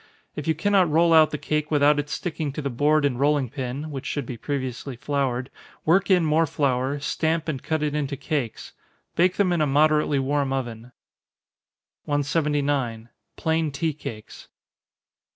If you cannot roll out the cake without its sticking to the board and rolling pin, (which should be previously floured,) work in more flour, stamp and cut it into cakes bake them in a moderately warm oven. 179. _Plain Tea Cakes.